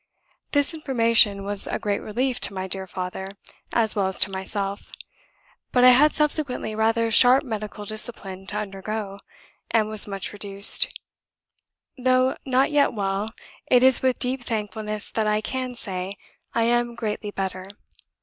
This information was a great relief to my dear father, as well as to myself; but I had subsequently rather sharp medical discipline to undergo, and was much reduced. Though not yet well, it is with deep thankfulness that I can say, I am GREATLY BETTER.